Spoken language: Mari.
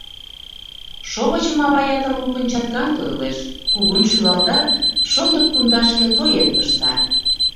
Шовычым ава ятыр лукын чаткан тодылеш, кугун шӱлалта, шондык пундашке тоен пышта.